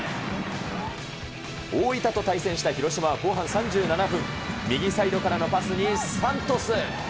大分と対戦した広島は後半３７分、右サイドからのパスにサントス。